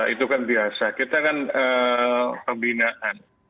itu kan biasa kita kan pembinaan